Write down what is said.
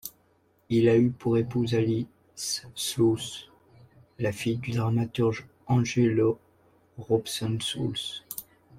Il a eu pour épouse Alice Slous, la fille du dramaturge Angiolo Robson Slous.